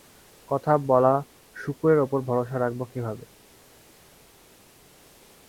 কথা বলা শুকরের উপর ভরসা রাখব কীভাবে?